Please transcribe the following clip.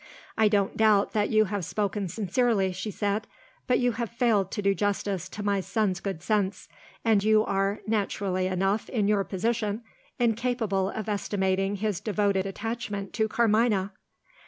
"I don't doubt that you have spoken sincerely," she said; "but you have failed to do justice to my son's good sense; and you are naturally enough, in your position incapable of estimating his devoted attachment to Carmina."